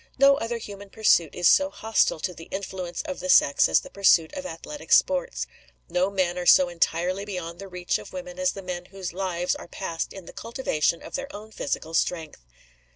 No other human pursuit is so hostile to the influence of the sex as the pursuit of athletic sports. No men are so entirely beyond the reach of women as the men whose lives are passed in the cultivation of their own physical strength.